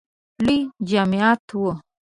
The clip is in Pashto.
لوی جماعت و .